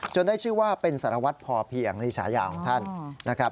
จนได้ชื่อว่าเป็นสารวัติพอเพียงในฉายาของท่าน